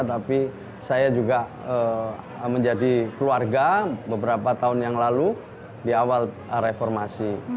tapi saya juga menjadi keluarga beberapa tahun yang lalu di awal reformasi